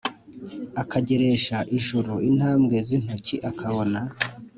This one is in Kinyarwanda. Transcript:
akageresha ijuru intambwe z intoki akabona